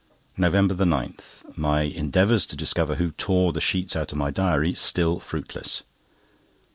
NOVEMBER 9.—My endeavours to discover who tore the sheets out of my diary still fruitless.